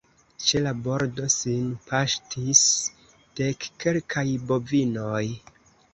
Ĉe la bordo sin paŝtis dekkelkaj bovinoj.